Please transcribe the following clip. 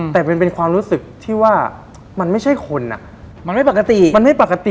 แต่มันเป็นความรู้สึกที่ว่ามันไม่ใช่คนอ่ะมันไม่ปกติมันไม่ปกติ